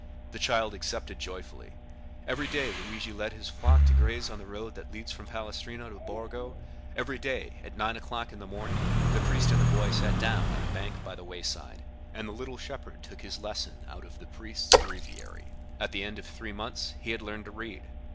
The child accepted joyfully. Every day Luigi led his flock to graze on the road that leads from Palestrina to Borgo; every day, at nine o'clock in the morning, the priest and the boy sat down on a bank by the wayside, and the little shepherd took his lesson out of the priest's breviary. At the end of three months he had learned to read.